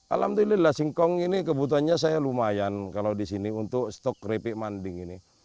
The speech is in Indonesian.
alhamdulillah singkong ini kebutuhannya saya lumayan kalau di sini untuk stok keripik manding ini